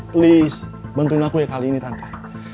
please bantuin aku ya kali ini tante